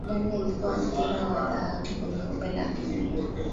Zidane alipewa mpira wa dhahabu kwenye kombe la dunia